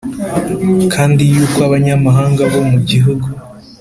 kandi yuko abanyamahanga bo mu gihugu